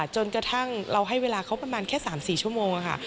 จนกระทั่งเราให้เวลาเขาประมาณแค่๓๔ชั่วโมงค่ะ